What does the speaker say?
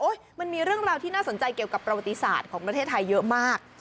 มันมีเรื่องราวที่น่าสนใจเกี่ยวกับประวัติศาสตร์ของประเทศไทยเยอะมาก